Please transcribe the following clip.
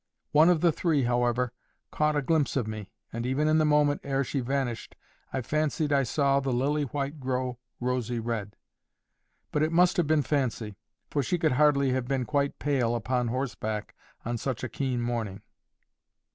One of the three, however, caught a glimpse of me, and even in the moment ere she vanished I fancied I saw the lily white grow rosy red. But it must have been fancy, for she could hardly have been quite pale upon horseback on such a keen morning.